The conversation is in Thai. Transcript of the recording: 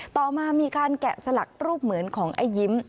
ต่อมามีการแกะสลักรูปเหมือนของไอ้ยิ้ม